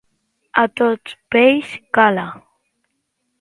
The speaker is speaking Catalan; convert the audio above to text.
A tot peix cala.